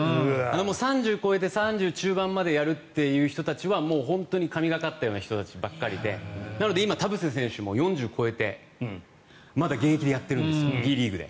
３０超えて３０中盤までやる人というのは本当に神懸かったような人たちばかりでなので今、田臥選手も４０越えてまだ現役でやってるんですＢリーグで。